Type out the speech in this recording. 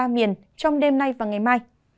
ba miền trong đêm nay và ngày mai